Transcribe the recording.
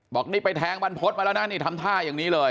บอกนี่ไปแทงบรรพฤษมาแล้วนะนี่ทำท่าอย่างนี้เลย